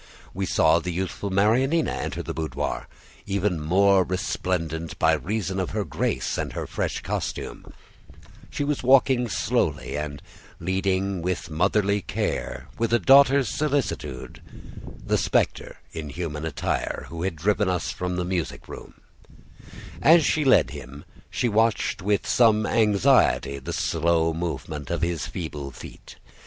We saw the youthful Marianina enter the boudoir, even more resplendent by reason of her grace and her fresh costume; she was walking slowly and leading with motherly care, with a daughter's solicitude, the spectre in human attire, who had driven us from the music room; as she led him, she watched with some anxiety the slow movement of his feeble feet.